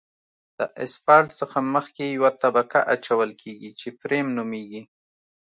د اسفالټ څخه مخکې یوه طبقه اچول کیږي چې فریم نومیږي